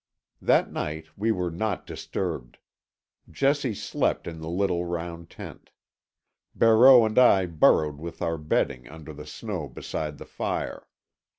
That night we were not disturbed. Jessie slept in the little round tent. Barreau and I burrowed with our bedding under the snow beside the fire.